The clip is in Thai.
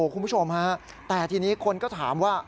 คุณผู้ชมฮะแต่ทีนี้คนก็ถามว่า